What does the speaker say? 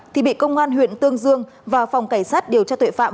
thì bị công an huyện tương dương và phòng cảnh sát điều tra tội phạm